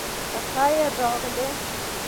پخير راغلې